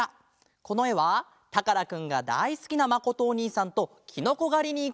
このえはたからくんがだいすきなまことおにいさんときのこがりにいくところです！